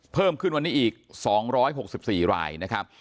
เพิ่มขึ้นวันนี้อีก๒๖๔รายนะครับ